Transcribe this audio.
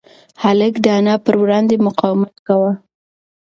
هلک د انا په وړاندې مقاومت کاوه.